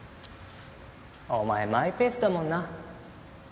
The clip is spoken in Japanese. お前マイペースだもんな。